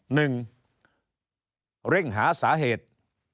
หนึ่งเร่งหาสาเหตุ